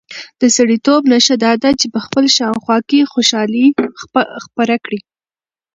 د سړیتوب نښه دا ده چې په خپل شاوخوا کې خوشالي خپره کړي.